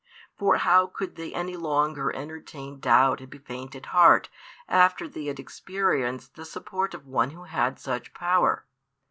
For how could they any longer entertain doubt and be faint at heart, after they had experienced the support of One Who had such power?